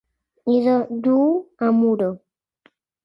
I do, duu-ho a Muro.